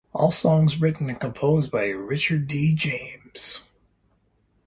All songs written and composed by Richard D. James.